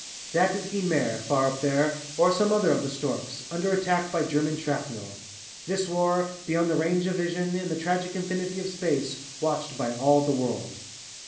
That is Guynemer, far up there, or some other of 'The Storks' under attack by German shrapnel. This war, beyond the range of vision, in the tragic infinity of space, watched by all the world!